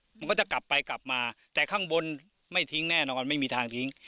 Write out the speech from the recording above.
มันก็จะกลับไปกลับมาแต่ข้างบนไม่ทิ้งแน่นอนไม่มีทางทิ้ง